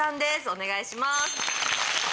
お願いします。